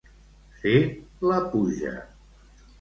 Fer la puja.